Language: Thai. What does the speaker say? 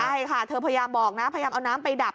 ใช่ค่ะเธอพยายามบอกนะพยายามเอาน้ำไปดับ